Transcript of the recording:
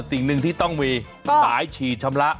สิ่งหนึ่งที่ต้องมีสายฉีดชำระ